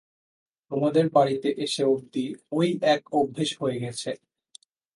তোমাদের বাড়িতে এসে অবধি ঐ এক অভ্যেস হয়ে গেছে।